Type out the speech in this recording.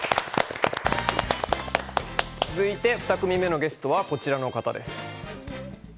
続いて２組目のゲストはこちらの方です。